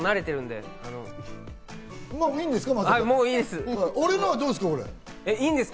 もういいんですか？